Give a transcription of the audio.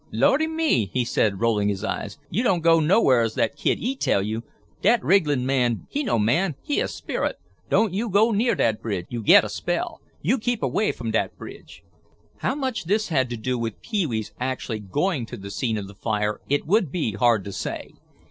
"Lordy me!" he said, rolling his eyes, "you don' go nowheres that kid 'e tell you. Dat wrigglin' man, he no man, he a sperrit. Don' you go near dat bridge, you get a spell. Yo keep away f'm dat bridge." How much this had to do with Pee wee's actually going to the scene of the fire it would be hard to say.